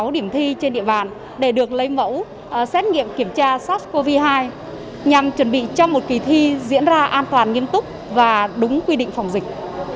sáu điểm thi trên địa bàn để được lấy mẫu xét nghiệm kiểm tra sars cov hai nhằm chuẩn bị cho một kỳ thi diễn ra an toàn nghiêm túc và đúng quy định phòng dịch